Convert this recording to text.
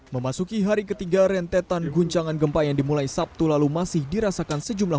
memasuki hari ketiga rentetan guncangan gempa yang dimulai sabtu lalu masih dirasakan sejumlah